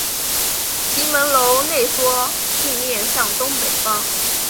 其门楼内缩并面向东北方。